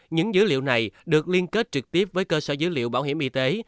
những dữ liệu này được liên kết trực tiếp với cơ sở dữ liệu bảo hiểm y tế